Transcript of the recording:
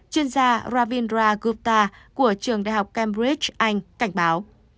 chuyên gia ravindra gupta của trường đại học cambridge anh cảnh báo